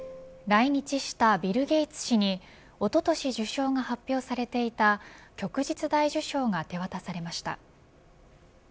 来日したビル・ゲイツ氏におととし受章が発表されていた旭日大綬章が手渡されました。